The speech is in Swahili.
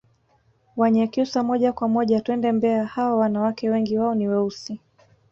Wanyakyusa moja kwa moja twende mbeya hawa wanawake wengi wao ni weusi